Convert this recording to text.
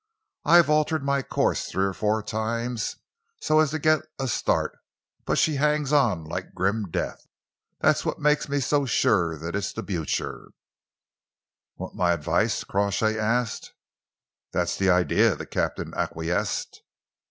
I've altered my course three or four times so as to get a start, but she hangs on like grim death. That's what makes me so sure that it's the Blucher." "Want my advice?" Crawshay asked. "That's the idea," the captain acquiesced.